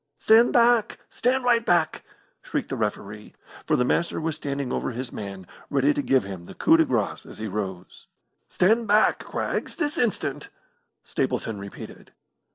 "Stand back! Stand right back!" shrieked the referee, for the Master was standing over his man ready to give him the coup de grace as he rose. "Stand back, Craggs, this instant!" Stapleton repeated.